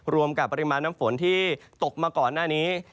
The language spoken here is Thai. รวมกับปริมาณน้ำฝนที่ตกมาก่อนหน้านี้